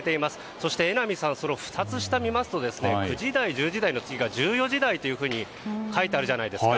そして榎並さんその２つ下を見ると９時台、１０時台の下が１４時台と書いてあるんじゃないですか。